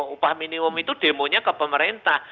upah minimum itu demonya ke pemerintah